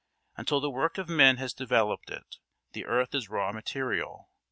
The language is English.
Until the work of men has developed it, the earth is raw material.